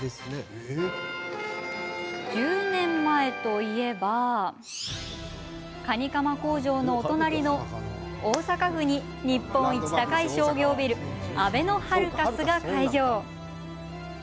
１０年前といえばカニカマ工場のあるお隣の大阪府に日本一高い商業ビルあべのハルカスが開業。